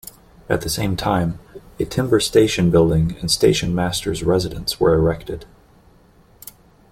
At the same time, a timber station building and station masters residence were erected.